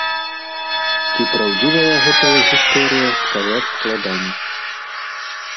Ці праўдзівая гэтая гісторыя, сказаць складана.